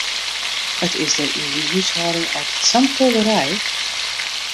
It is dêr yn dy húshâlding altyd sa'n tobberij.